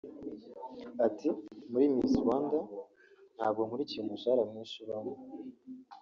Ati “Muri Miss Rwanda ntabwo nkurikiye umushahara mwinshi ubamo